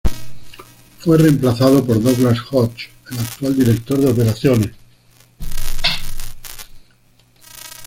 Fue reemplazado por Douglas Hodge, el actual Director de Operaciones.